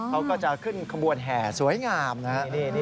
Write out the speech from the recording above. เขาก็จะขึ้นขบวนแห่สวยงามนะครับ